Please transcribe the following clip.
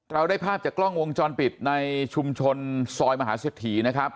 เราได้ภาพจากกล้องวงจรปิดในชุมชนซอยมหาเสถีย์นะครับ